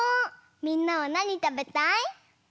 みんなはなにたべたい？